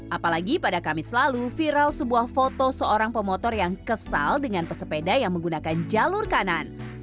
apalagi pada kamis lalu viral sebuah foto seorang pemotor yang kesal dengan pesepeda yang menggunakan jalur kanan